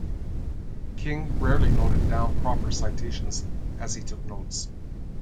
King rarely noted down proper citations as he took notes.